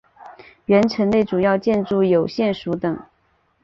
原城内主要建筑有县署等。